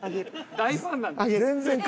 大ファンなんです。